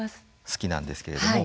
好きなんですけれども。